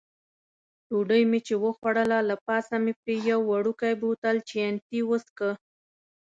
ډوډۍ مې چې وخوړله، له پاسه مې پرې یو وړوکی بوتل چیانتي وڅېښه.